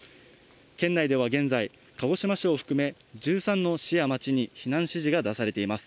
県内では現在、鹿児島市を含め、１３の市や町に避難指示が出されています。